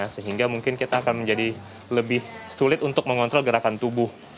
sehingga mungkin kita akan menjadi lebih sulit untuk mengontrol gerakan tubuh